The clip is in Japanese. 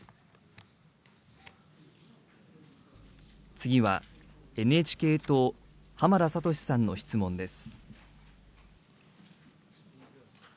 次は、ＮＨＫ党、浜田聡さんの質問です。